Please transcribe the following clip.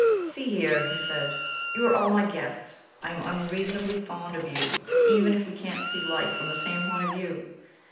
"See here," he said, "you are all my guests. I am unreasonably fond of you, even if we can't see Life from the same point of view.